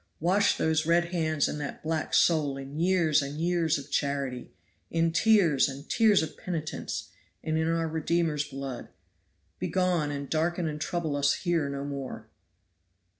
Wash those red hands and that black soul in years and years of charity, in tears and tears of penitence, and in our Redeemer's blood. Begone, and darken and trouble us here no more."